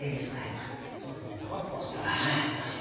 はいすごいふわふわしてますね